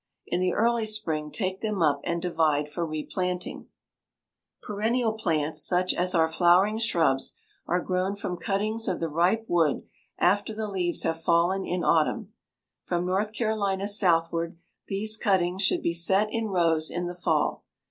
In the early spring take them up and divide for replanting. [Illustration: FIG. 105. DAHLIAS] Perennial plants, such as our flowering shrubs, are grown from cuttings of the ripe wood after the leaves have fallen in autumn. From North Carolina southward these cuttings should be set in rows in the fall.